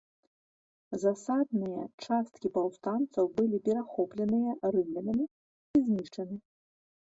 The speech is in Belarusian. Засадныя часткі паўстанцаў былі перахопленыя рымлянамі і знішчаны.